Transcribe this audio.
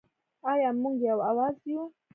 آیا موږ یو اواز یو؟